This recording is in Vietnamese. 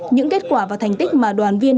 những kết quả và thành tích mà đoàn viên